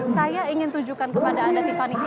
saya ingin tunjukkan kepada anda tiffany